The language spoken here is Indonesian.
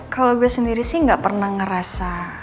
kalau gue sendiri sih nggak pernah ngerasa